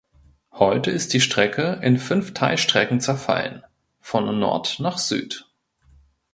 Heute ist die Strecke in fünf Teilstrecken zerfallen (von Nord nach Süd).